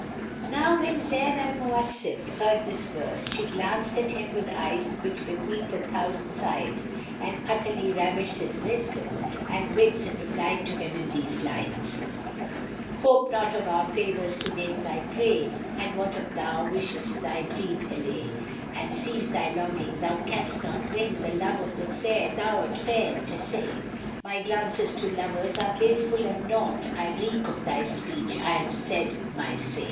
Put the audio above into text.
Now when Zayn al Mawásif heard his verse, she glanced at him with eyes which bequeathed a thousand sighs and utterly ravished his wisdom and wits and replied to him in these lines, "Hope not of our favours to make thy prey * And of what thou wishest thy greed allay: And cease thy longing; thou canst not win * The love of the Fair thou'rt fain t' essay, My glances to lovers are baleful and naught * I reek of thy speech: I have said my say!"